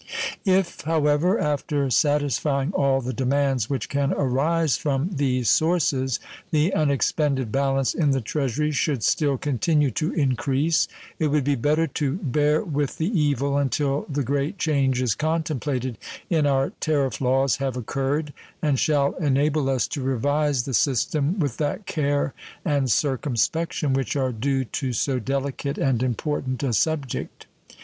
If, however, after satisfying all the demands which can arise from these sources the unexpended balance in the Treasury should still continue to increase, it would be better to bear with the evil until the great changes contemplated in our tariff laws have occurred and shall enable us to revise the system with that care and circumspection which are due to so delicate and important a subject.